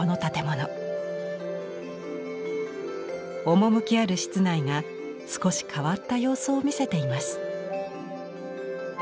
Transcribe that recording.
趣ある室内が少し変わった様子を見せています。